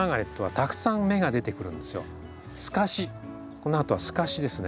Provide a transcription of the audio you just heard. このあとはすかしですね。